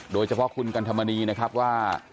โดยเฉพาะคุณกันธรรมนีนะครับว่า